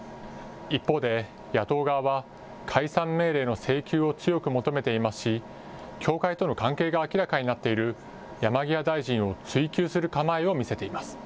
一方で、野党側は解散命令の請求を強く求めていますし、教会との関係が明らかになっている山際大臣を追及する構えを見せています。